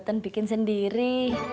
boten bikin sendiri